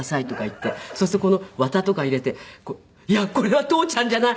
そうするとこの綿とか入れて「いやこれは父ちゃんじゃない。